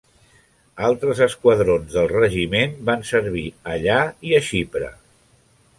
Altres esquadrons del regiment van servir allà i a Xipre.